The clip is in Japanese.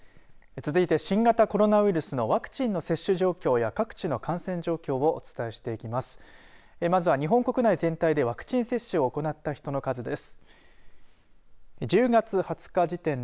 続いて新型コロナウイルスのワクチンの接種状況や各地の感染状況をお伝えします。